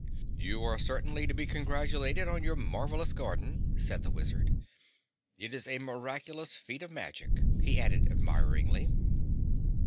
"You are certainly to be congratulated on your marvelous garden," said the Wizard. "It is a miraculous feat of magic," he added admiringly.